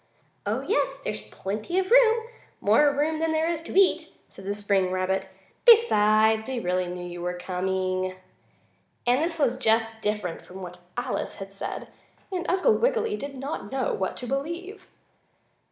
"Oh, yes, there's plenty of room more room than there is to eat," said the spring rabbit. "Besides, we really knew you were coming." As this was just different from what Alice had said, Uncle Wiggily did not know what to believe.